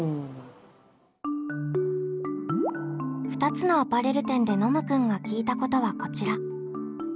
２つのアパレル店でノムくんが聞いたことはこちら。